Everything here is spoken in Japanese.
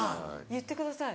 言ってください。